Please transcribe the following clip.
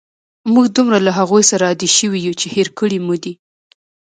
موږ دومره له هغوی سره عادی شوي یو، چې هېر کړي مو دي.